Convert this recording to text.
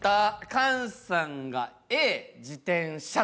菅さんがＡ自転車と。